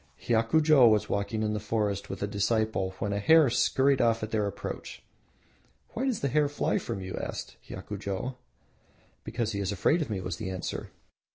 Hiakujo was walking in the forest with a disciple when a hare scurried off at their approach. "Why does the hare fly from you?" asked Hiakujo. "Because he is afraid of me," was the answer.